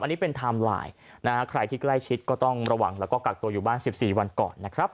อันนี้เป็นไทม์ไลน์นะฮะใครที่ใกล้ชิดก็ต้องระวังแล้วก็กักตัวอยู่บ้าน๑๔วันก่อนนะครับ